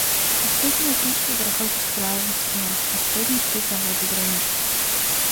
Последние пушки грохочут в кровавых спорах, последний штык заводы гранят.